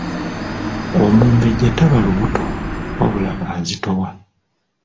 Omumbejja taba lubuto wabula azitowa.